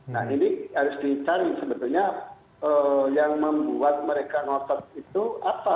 nah ini harus dicari sebetulnya yang membuat mereka ngotot itu apa